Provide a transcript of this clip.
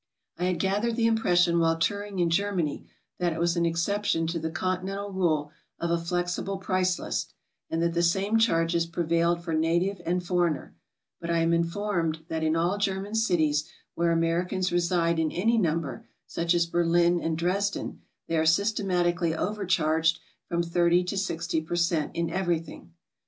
I had gathered the impression while touring in Germany that it was an exception to the Continental rule of a flexible price list, and that the same charges prevailed for native and foreigner, but I am informed that in all German cities where Americans reside in any number, such as Berlin and Dresden, they are systematically overcharged from 30 to 60 per cent, in everything.